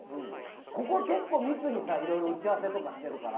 ここは結構密にいろいろ打ち合わせとかしてるから。